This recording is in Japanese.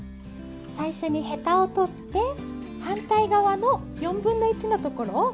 最初にヘタを取って反対側の４分の１のところをカットします。